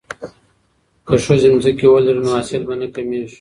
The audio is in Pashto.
که ښځې ځمکه ولري نو حاصل به نه کمیږي.